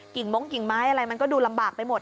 มงกิ่งไม้อะไรมันก็ดูลำบากไปหมด